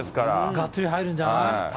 がっつり入るんじゃない？